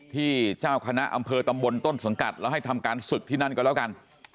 ที่เจ้าคณะอำเภอตำบลต้นสังกัดแล้วให้ทำการศึกที่นั่นก็แล้วกัน